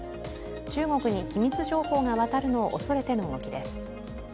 中国に機密情報が渡るのを恐れての動きです。